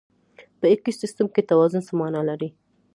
په ایکوسیستم کې توازن څه مانا لري؟